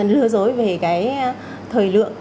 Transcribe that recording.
lừa dối về cái dấu hiệu chứng tỏ